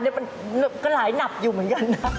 นี่มันก็หลายหนับอยู่เหมือนกันนะ